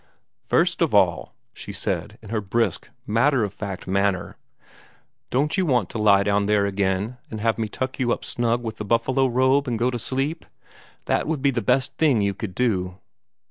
"First of all," she said, in her brisk, matter of fact manner, "don't you want to lie down there again, and have me tuck you up snug with the buffalo robe, and go to sleep? That would be the best thing you could do."